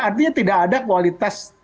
artinya tidak ada kualitas